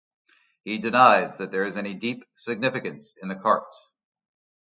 He denies that there is any deep significance in the cart.